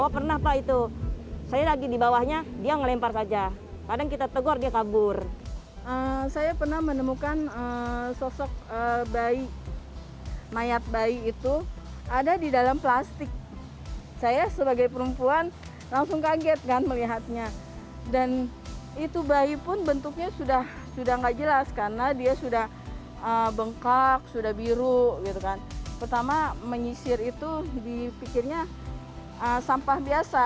pertama menyisir itu dipikirnya sampah biasa